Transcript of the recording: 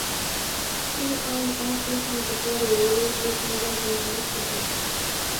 He would often hide the body, leaving it under the nearest bed.